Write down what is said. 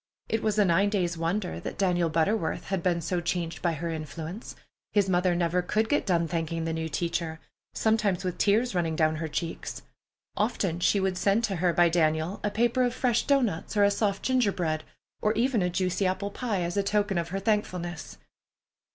It was a nine days' wonder that Daniel Butterworth had been so changed by her influence. His mother never could get done thanking the new teacher, sometimes with tears running down her cheeks. Often she would send to her by Daniel a paper of fresh doughnuts or a soft ginger bread, or even a juicy apple pie, as a token of her thankfulness.